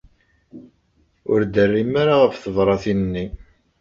Ur d-terrim ara ɣef tebṛatin-nni.